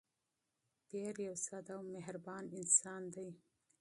پییر یو ساده او مهربان انسان دی.